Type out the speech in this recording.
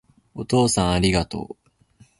お父さんありがとう